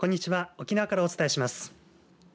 沖縄からお伝えします。